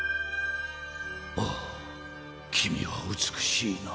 あぁ君は美しいな。